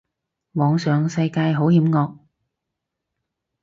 網上世界好險惡